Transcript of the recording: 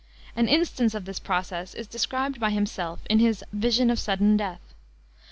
An instance of this process is described by himself in his Vision of Sudden Death.